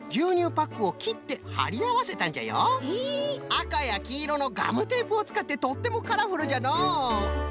あかやきいろのガムテープをつかってとってもカラフルじゃのう。